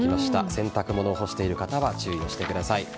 洗濯物を干している方は注意してください。